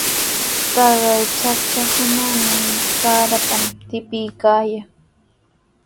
Taqay chachakunaqa saratami tipiykaayan.